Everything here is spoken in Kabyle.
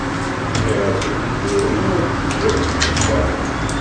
Nniɣ-as i Tiziri ad tejj ddexxan.